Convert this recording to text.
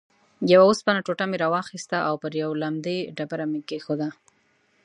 یوه اوسپنه ټوټه مې راواخیسته او پر یوې لندې ډبره مې کېښووله.